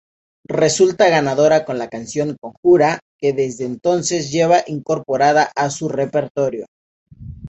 Resulta ganadora con la canción "Conjura" que desde entonces lleva incorporada a su repertorio.